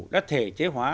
đã thể chế hóa